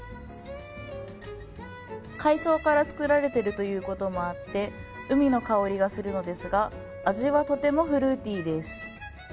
海藻からつくられているということもあって海の香りがするのですが味はとてもフルーティーです。